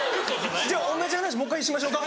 じゃあ同じ話もう一回しましょか？